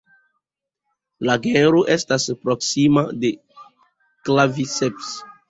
La genro estas proksima de "Claviceps".